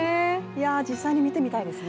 実際に見てみたいですね。